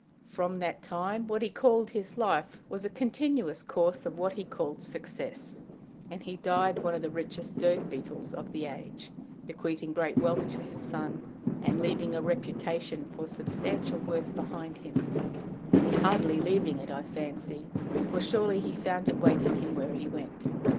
From that time, what he called his life was a continuous course of what he called success, and he died one of the richest dirt beetles of the age, bequeathing great wealth to his son, and leaving a reputation for substantial worth behind him; hardly leaving it, I fancy, for surely he found it waiting him where he went.